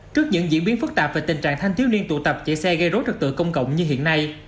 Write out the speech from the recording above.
trước những diễn biến phức tạp về tình trạng thanh thiếu niên tụ tập chạy xe gây rối trật tự công cộng như hiện nay